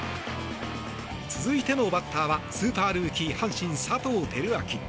続いてのバッターはスーパールーキー阪神、佐藤輝明。